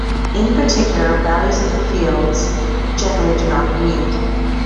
In particular, values of the fields generally do not commute.